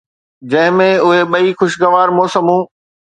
جنهن ۾ اهي ٻئي خوشگوار موسمون